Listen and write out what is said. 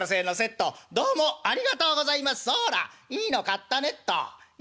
いいの買ったねっと」。